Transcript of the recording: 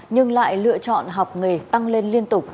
nhưng lại lựa chọn học nghề tăng lên liên tục